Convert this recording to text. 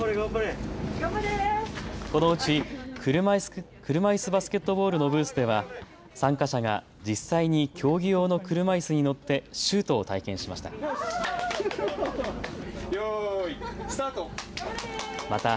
このうち車いすバスケットボールのブースでは参加者が実際に競技用の車いすに乗ってシュートを体験しました。